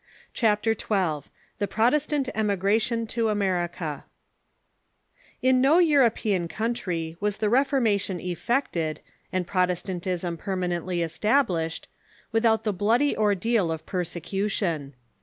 CHAPTER XII THE PROTESTANT EMIGRATION TO AMERICA In no European country Avas the Reformation effected, and Protestantism permanently established, without the bloody or ,. deal of persecution.